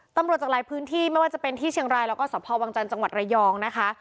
จากหลายพื้นที่ไม่ว่าจะเป็นที่เชียงรายแล้วก็สพวังจันทร์จังหวัดระยองนะคะ